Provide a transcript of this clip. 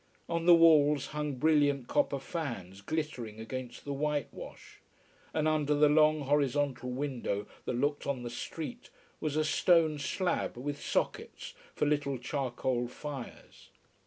On the walls hung brilliant copper fans, glittering against the whitewash. And under the long, horizontal window that looked on the street was a stone slab with sockets for little charcoal fires.